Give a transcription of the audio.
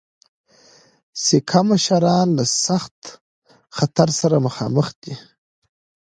سیکه مشران له سخت خطر سره مخامخ دي.